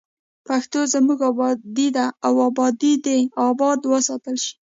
پښتو زموږ ابادي ده او ابادي دې اباد وساتل شي.